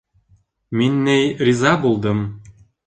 Мин ни, риза булдым.